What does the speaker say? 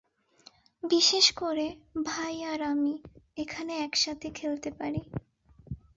বিশেষ করে, ভাই আর আমি, এখানে একসাথে খেলতে পারি।